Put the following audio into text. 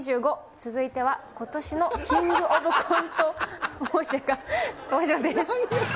続いてはことしのキングオブコント王者が登場です。